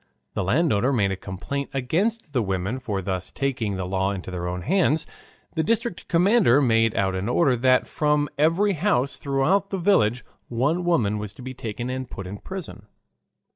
The landowner made a complaint against the women for thus taking the law into their own hands. The district commander made out an order that from every house throughout the village one woman was to be taken and put in prison.